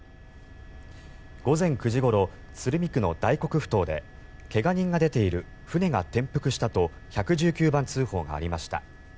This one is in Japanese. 午前９時ごろ鶴見区の大黒ふ頭で怪我人が出ている船が転覆したと１１９番通報がありました。